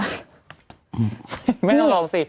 มีไม่ต้องรอสิ